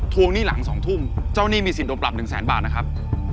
ผมยังไม่มีสิทธิ์ตกปรับหนึ่งแสนบาทนะครับ